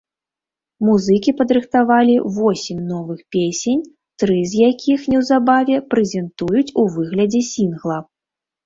Музыкі падрыхтавалі восем новых песень, тры з якіх неўзабаве прэзентуюць у выглядзе сінгла.